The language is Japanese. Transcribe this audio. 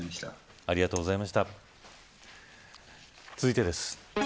続いてです。